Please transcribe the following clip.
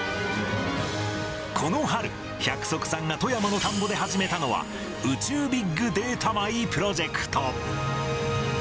この春、百束さんが富山の田んぼで始めたのは、宇宙ビッグデータ米プロジェクト。